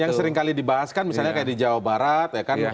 yang seringkali dibahaskan misalnya kayak di jawa barat ya kan